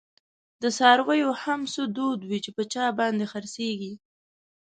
دڅارویو هم څه دود وی، چی په چا باندی خرڅیږی